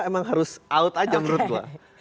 emang harus out aja menurut gue